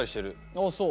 あっそう。